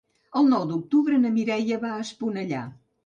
El nou d'octubre na Mireia va a Esponellà.